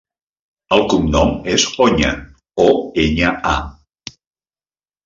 El cognom és Oña: o, enya, a.